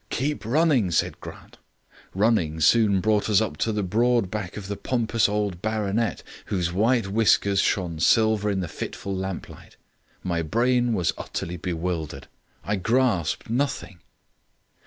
"Keep running," said Grant. Running soon brought us up to the broad back of the pompous old baronet, whose white whiskers shone silver in the fitful lamplight. My brain was utterly bewildered. I grasped nothing.